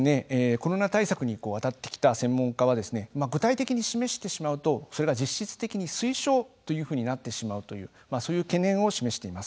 コロナ対策にあたってきた専門家は具体的に示してしまうとそれが実質的に推奨というふうになってしまうというそういう懸念を示しています。